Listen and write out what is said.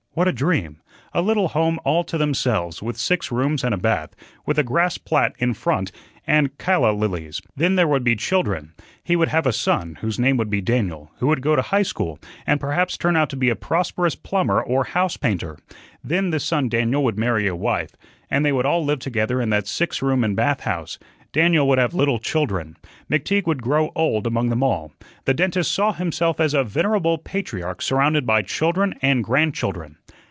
What a dream! A little home all to themselves, with six rooms and a bath, with a grass plat in front and calla lilies. Then there would be children. He would have a son, whose name would be Daniel, who would go to High School, and perhaps turn out to be a prosperous plumber or house painter. Then this son Daniel would marry a wife, and they would all live together in that six room and bath house; Daniel would have little children. McTeague would grow old among them all. The dentist saw himself as a venerable patriarch surrounded by children and grandchildren.